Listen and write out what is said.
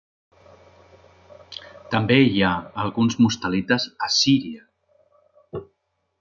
També hi ha alguns mustalites a Síria.